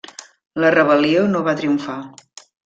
La rebel·lió no va triomfar.